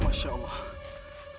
masya allah arief